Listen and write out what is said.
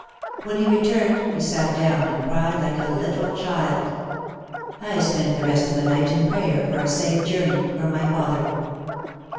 When he returned he sat down and cried like a little child. I spent the rest of the night in prayer for a safe journey for my father.